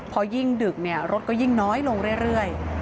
พอยิ่งดึกเนี่ยรถก็ยิ่งน้อยลงเรื่อยเรื่อย